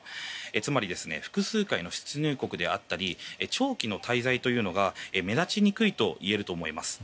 つまり複数回の出入国であったり長期の滞在というのが目立ちにくいといえると思います。